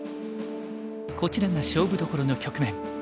こちらが勝負どころの局面。